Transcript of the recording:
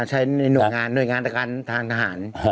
ใช้ในหน่วยงานหน่วยงานทางทหาร